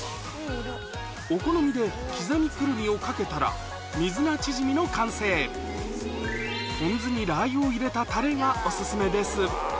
お好みで刻みくるみをかけたら水菜チヂミの完成ポン酢にラー油を入れたタレがお薦めです